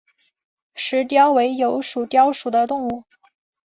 石貂为鼬科貂属的动物。